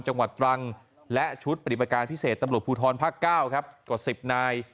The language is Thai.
จังหวัดตรังและชุดปฏิบัติการพิเศษตำรวจภูทรภาคเก้าครับกว่า๑๐นาย